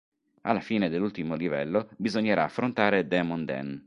Alla fine dell'ultimo livello bisognerà affrontare Demon Dan.